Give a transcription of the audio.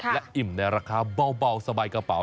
และอิ่มในราคาเบาสบายกระเป๋า